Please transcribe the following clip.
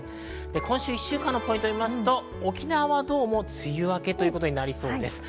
今週１週間のポイントを見ますと、沖縄は梅雨明けということになりそうです。